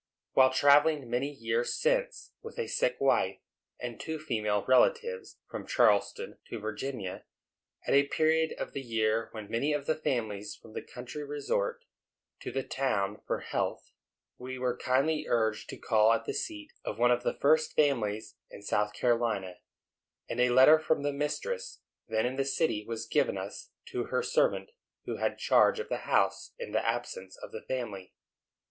When travelling many years since with a sick wife, and two female relatives, from Charleston to Virginia, at a period of the year when many of the families from the country resort to the town for health, we were kindly urged to call at the seat of one of the first families in South Carolina, and a letter from the mistress, then in the city, was given us, to her servant, who had charge of the house in the absence of the family.